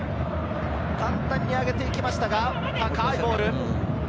カウンターを上げていきましたが、高いボール。